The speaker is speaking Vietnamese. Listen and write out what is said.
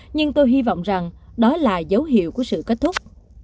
nhưng tôi hy vọng rằng đó là dấu hiệu của sự kết thúc